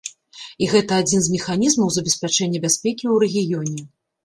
І гэта адзін з механізмаў забеспячэння бяспекі ў рэгіёне.